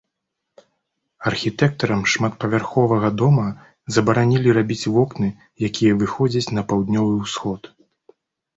Архітэктарам шматпавярховага дома забаранілі рабіць вокны, якія выходзяць на паўднёвы ўсход.